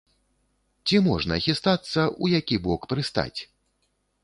Ці можна хістацца, у які бок прыстаць?